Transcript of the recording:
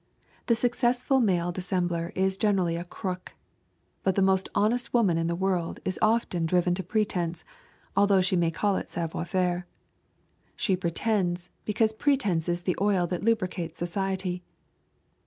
The successful male dissembler is generally a crook. But the most honest woman in the world is often driven to pretense, although she may call it savoir faire. She pretends, because pretense is the oil that lubricates society.